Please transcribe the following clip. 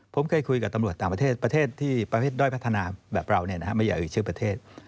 ผมเคยคุยกับตำรวจต่างประเทศประเทศด้อยพัฒนาแบบเราเนี่ยนะครับไม่อย่าอีกชื่อประเทศ